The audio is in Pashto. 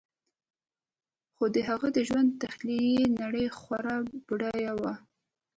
خو د هغه د ژوند تخیلي نړۍ خورا بډایه وه